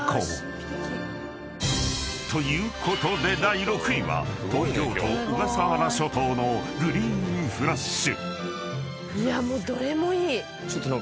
［ということで第６位は東京都小笠原諸島のグリーンフラッシュ］